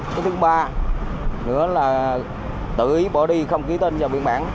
cái thứ ba nữa là tự ý bỏ đi không khí tên vào biên bản